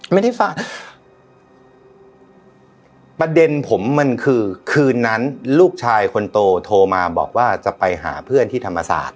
ไม่ได้ฝันประเด็นผมมันคือคืนนั้นลูกชายคนโตโทรมาบอกว่าจะไปหาเพื่อนที่ธรรมศาสตร์